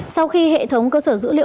sau khi hệ thống cơ sở dữ liệu quốc gia